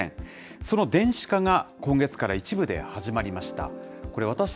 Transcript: その電子化が今月から一部で始まりました。